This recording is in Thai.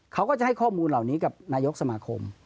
เขาก็จะให้ข้อมูลเหล่านี้กับนายกสมาคม